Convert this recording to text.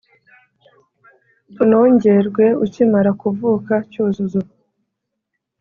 Tunogerwe Ukimara kuvuka Cyuzuzo